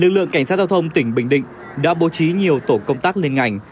lực lượng cảnh sát giao thông tỉnh bình định đã bố trí nhiều tổ công tác liên ngành